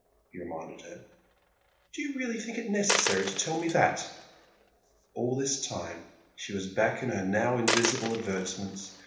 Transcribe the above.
he reminded her. "Do you really think it necessary to tell me that?" All this time she was back in her now invisible advertisements.